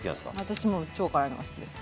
私もう超辛いのが好きです。